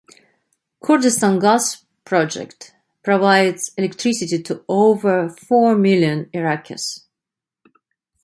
Kurdistan Gas project provides electricity to over four million Iraqis.